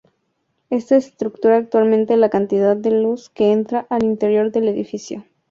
Esta estructura aumenta la cantidad de luz que entra al interior del edificio.